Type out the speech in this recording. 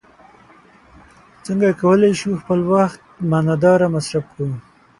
څنګه کولی شو خپل وخت معنا داره مصرف کړو.